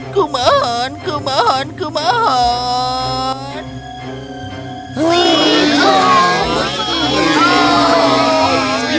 dan kami akan memenuhi setiap perpintaan